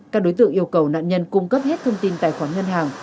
các đối tượng yêu cầu nạn nhân cung cấp hết thông tin tài khoản ngân hàng